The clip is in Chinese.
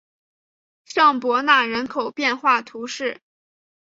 尚博纳人口变化图示